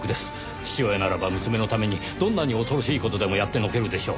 父親ならば娘のためにどんなに恐ろしい事でもやってのけるでしょう。